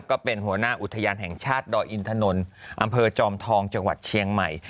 ก็เป็นหัวหน้าอุทยานแห่งชาติดอยอินถนนอำเภอจอมทองจังหวัดเชียงใหม่